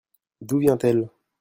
D'où vient-elle ?